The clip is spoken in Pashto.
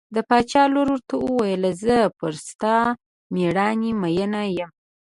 د باچا لور ورته وویل زه پر ستا مېړانې مینه یم.